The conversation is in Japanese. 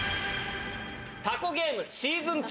タコゲームシーズン２。